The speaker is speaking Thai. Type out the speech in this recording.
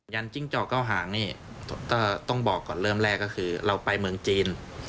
จิ้งจอกเก้าหางนี่ก็ต้องบอกก่อนเริ่มแรกก็คือเราไปเมืองจีน